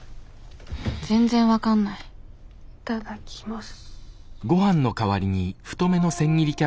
全然分かんないいただきます。